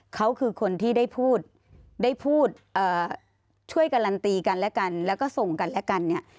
เขาคือคนที่ได้พูดได้พูดช่วยการันตีกันและกันแล้วก็ส่งกันและกันเนี่ย